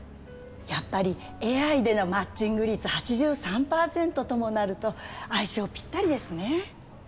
やっぱりＡＩでのマッチング率８３パーセントともなると相性ぴったりですね